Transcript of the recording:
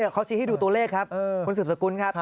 เขาชี้ให้ดูตัวเลขครับคุณสืบสกุลครับ